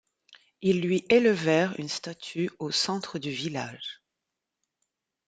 Ils lui élevèrent une statue au centre du village.